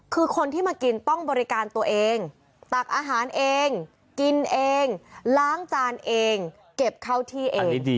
คือคนที่มากินต้องบริการตัวเองตักอาหารเองกินเองล้างจานเองเก็บเข้าที่เอง